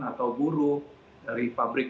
atau guru dari pabrik